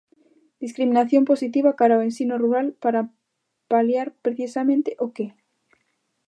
Discriminación positiva cara ao ensino rural para paliar precisamente ¿o que?